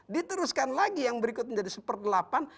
diteruskan lagi yang berikut menjadi super delapan